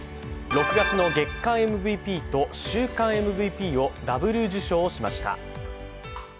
６月の月間ＭＶＰと週間ＭＶＰをダブル受賞しました。